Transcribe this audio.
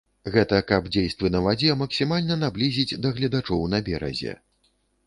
Гэта каб дзействы на вадзе максімальна наблізіць да гледачоў на беразе.